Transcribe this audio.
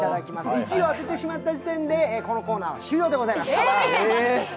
１位を当ててしまった時点でこのコーナーは終了です。